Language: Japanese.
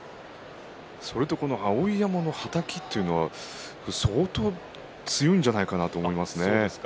それとこの碧山のはたきというのは相当、強いんじゃないかなと思いますね。